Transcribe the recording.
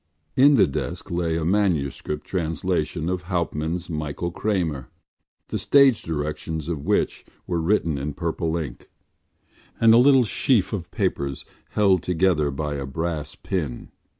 In the desk lay a manuscript translation of Hauptmann’s Michael Kramer, the stage directions of which were written in purple ink, and a little sheaf of papers held together by a brass pin.